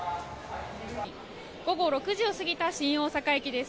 午後６時を過ぎた新大阪駅です。